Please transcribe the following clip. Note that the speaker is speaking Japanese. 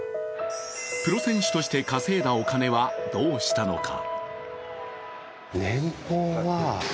プロ選手として稼いだお金はどうしたのか。